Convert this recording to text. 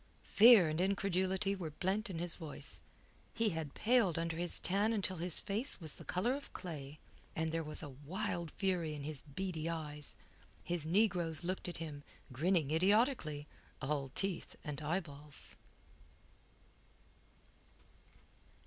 Fear and incredulity were blent in his voice. He had paled under his tan until his face was the colour of clay, and there was a wild fury in his beady eyes. His negroes looked at him, grinning idiotically, all teeth and eyeballs.